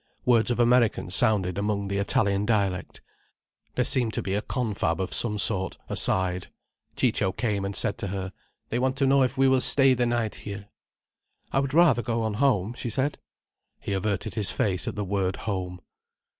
Words of American sounded among the Italian dialect. There seemed to be a confab of some sort, aside. Ciccio came and said to her: "They want to know if we will stay the night here." "I would rather go on home," she said. He averted his face at the word home.